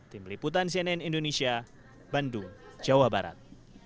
tim liputan cnn indonesia bandung jawa barat